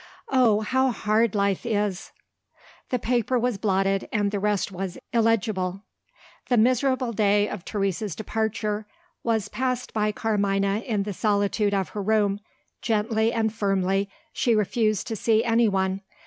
Oh, how hard life is " The paper was blotted, and the rest was illegible. The miserable day of Teresa's departure was passed by Carmina in the solitude of her room: gently and firmly, she refused to see anyone.